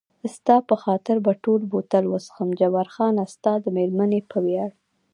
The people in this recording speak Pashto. ستا په خاطر به ټوله بوتل وڅښم، جبار خان ستا د مېرمنې په ویاړ.